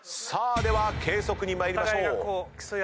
さあでは計測に参りましょう。